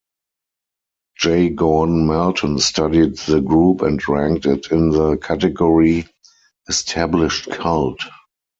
J. Gordon Melton studied the group and ranked it in the category "established cult".